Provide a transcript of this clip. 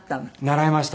習いました。